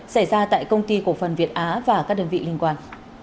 xảy ra tại công ty cổ phần việt á và các đơn vị liên quan